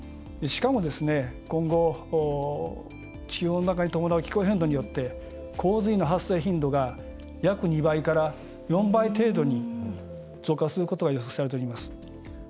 しかも、今後、地球温暖化に伴う気候変動によって洪水の発生頻度が約２倍から４倍程度に増加することが予測されております。